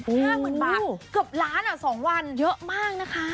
เกือบล้านอ่ะ๒วันเยอะมากนะคะ